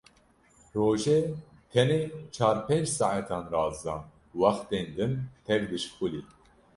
Rojê tenê çar pênc saetan radiza, wextên din tev dişixulî.